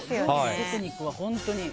テクニックは本当にすごい。